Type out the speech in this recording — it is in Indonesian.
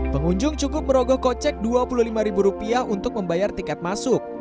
pengunjung cukup merogoh kocek dua puluh lima ribu rupiah untuk membayar tiket masuk